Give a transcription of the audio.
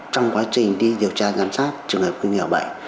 trong quá trình đi điều tra giám sát trường hợp nguy ngờ bệnh